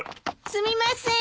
すみません。